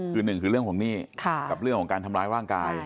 คือหนึ่งคือเรื่องของหนี้กับเรื่องของการทำร้ายร่างกาย